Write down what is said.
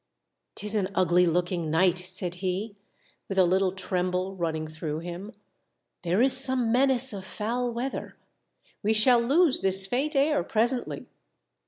" 'Tis an ugly looking night," said he, with a little tremble running through him, " there is some menace of foul weather. We shall lose this faint air presently."